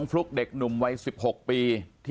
ปากกับภาคภูมิ